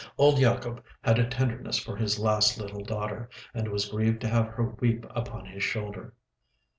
Old Yacob had a tenderness for his last little daughter, and was grieved to have her weep upon his shoulder.